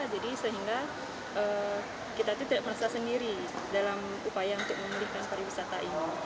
jadi sehingga kita tidak merasa sendiri dalam upaya untuk memulihkan pariwisata ini